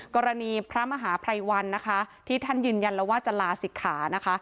กรณีพระมหาภัยวันนะคะที่ท่านยืนยันแล้วว่าจะลาศิกขานะคะ